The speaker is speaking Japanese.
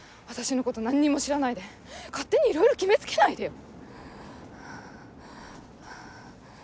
「私のこと何にも知らないで勝手にいろいろ決めつけないで！」